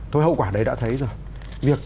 thôi hậu quả đấy đã thấy rồi